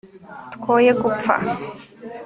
twoye gupfa